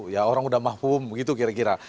ya orang sudah mahfum begitu kira kira